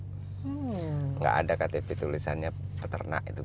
tidak ada ktp tulisannya peternak itu